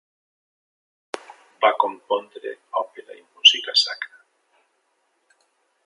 Va compondre òpera i música sacra.